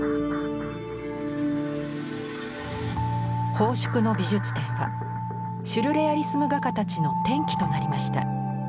奉祝の美術展はシュルレアリスム画家たちの転機となりました。